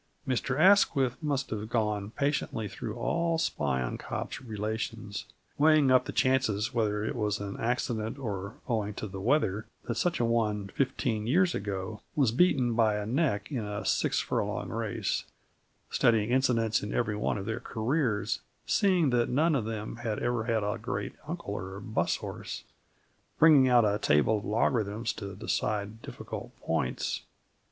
Mr Asquith must have gone patiently through all Spion Kop's relations, weighing up the chances whether it was an accident or owing to the weather that such an one fifteen years ago was beaten by a neck in a six furlong race, studying incidents in every one of their careers, seeing that none of them had ever had a great uncle a bus horse, bringing out a table of logarithms to decide difficult points....